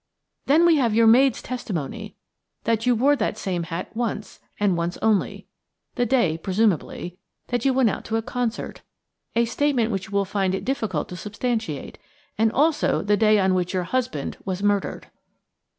Then we have your maid's testimony that you wore that same hat once, and once only, the day, presumably, that you went out to a concert–a statement which you will find it difficult to substantiate–and also the day on which your husband was murdered."